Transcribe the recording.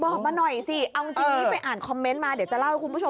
บอกมาหน่อยสิเอาจริงนี้ไปอ่านคอมเมนต์มาเดี๋ยวจะเล่าให้คุณผู้ชม